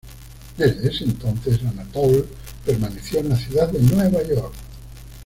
Desde ese entonces, Anatol permaneció en la ciudad de Nueva York.